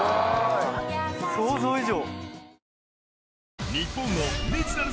想像以上。